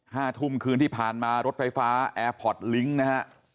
ห้าทุ่มคืนที่ผ่านมารถไฟฟ้าแอร์พอร์ตลิงก์นะฮะ